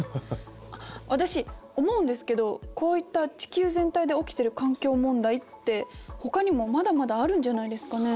私思うんですけどこういった地球全体で起きてる環境問題ってほかにもまだまだあるんじゃないですかね？